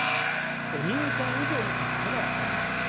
これ、民間以上の格差があります。